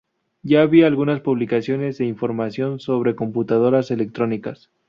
Ya había algunas publicaciones e información sobre computadoras electrónicas.